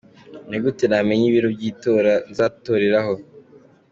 Ni gute namenya ibiro by’itora nzatoreraho?.